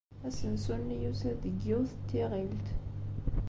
Asensu-nni yusa-d deg yiwet n tiɣilt.